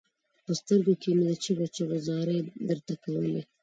په سترګو کې مې په چيغو چيغو زارۍ درته کولې.